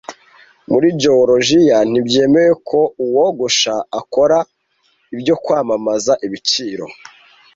Muri Jeworujiya ntibyemewe ko uwogosha akora ibyo Kwamamaza Ibiciro